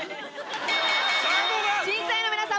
審査員の皆さん